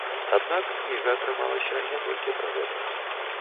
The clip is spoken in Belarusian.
Аднак кніга атрымалася не толькі пра гэта.